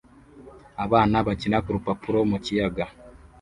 Abana bakina kurupapuro mu kiyaga